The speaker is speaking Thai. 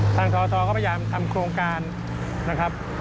ททก็พยายามทำโครงการนะครับ